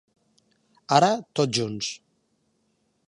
Ara, tots junts.